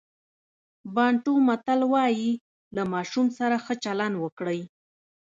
بانټو متل وایي له ماشوم سره ښه چلند وکړئ.